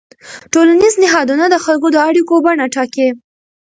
ټولنیز نهادونه د خلکو د اړیکو بڼه ټاکي.